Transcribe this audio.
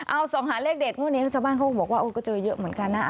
เอาส่องหาเลขเด็ดงวดนี้ชาวบ้านเขาก็บอกว่าก็เจอเยอะเหมือนกันนะ